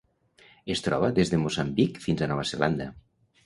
Es troba des de Moçambic fins a Nova Zelanda.